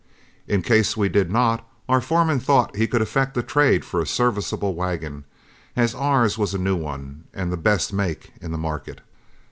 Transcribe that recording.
In case we did not, our foreman thought he could effect a trade for a serviceable wagon, as ours was a new one and the best make in the market.